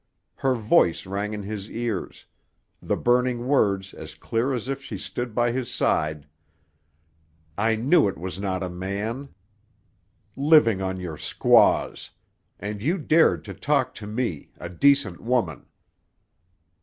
Her voice rang in his ears, the burning words as clear as if she stood by his side: "I knew it was not a man. Living on your squaws! And you dared to talk to me—a decent woman!"